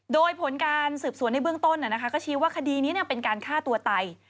โดยผลการสืบสวนในเบื้องต้นก็ชี้ว่าคดีนี้เป็นการฆ่าตัวตาย